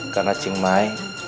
karena cing mai